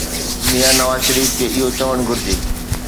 ميان نواز شريف کي اهو چوڻ گهرجي.